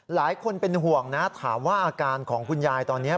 หลายคนเป็นห่วงนะถามว่าอาการของคุณยายตอนนี้